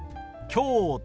京都。